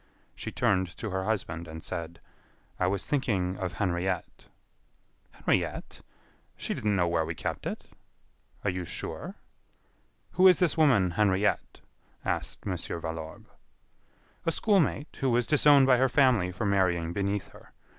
She turned to her husband, and said: "I was thinking of Henriette." "Henriette? She didn't know where we kept it." "Are you sure?" "Who is this woman Henriette?" asked Mon. Valorbe. "A school mate, who was disowned by her family for marrying beneath her.